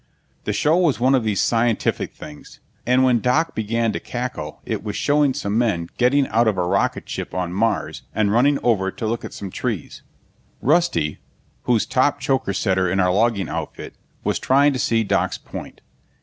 The show was one of these scientific things, and when Doc began to cackle it was showing some men getting out of a rocket ship on Mars and running over to look at some trees. Rusty, who's top choker setter in our logging outfit, was trying to see Doc's point.